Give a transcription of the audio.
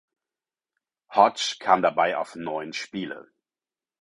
Hodge kam dabei auf neun Spiele.